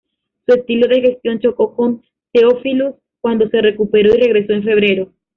Su estilo de gestión chocó con Theophilus, cuando se recuperó y regresó en febrero.